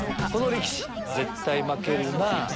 この力士絶対負けるなぁ。